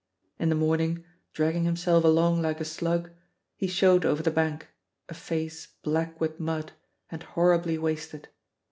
In the morning, dragging himself along like a slug, he showed over the bank a face black with mud and horribly wasted.